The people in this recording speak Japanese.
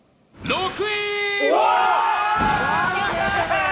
６位。